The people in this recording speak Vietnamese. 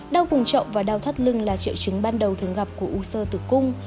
đau vùng trậu và đau thắt lưng là triệu chứng ban đầu thường gặp của u sơ tử cung